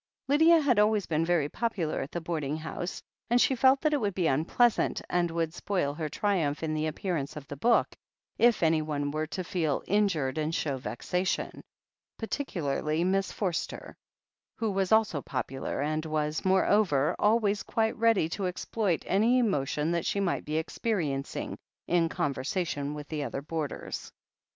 Lydia had always been very popular at the boarding house, and she felt that it would be tmpleasant, and would spoil her triumph in the appearance of the book, if anyone were to feel injured and show vexation — particularly Miss Forster, who was also popular, and was, morever, always quite ready to exploit any emo tion that she might be experiencing, in conversation with the other boarders.